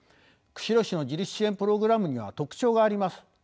釧路市の自立支援プログラムには特徴があります。